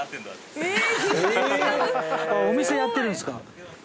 お店やってるんすか。